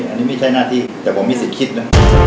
อันนี้ไม่ใช่หน้าที่แต่ผมมีสิทธิ์คิดนะ